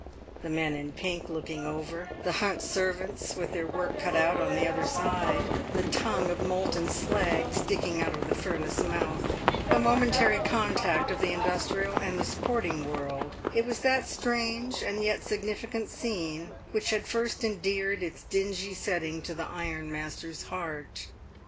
The men in pink looking over, the hunt servants with their work cut out on the other side, the tongue of molten slag sticking out of the furnace mouth—the momentary contact of the industrial and the sporting world—it was that strange and yet significant scene which had first endeared its dingy setting to the ironmaster's heart.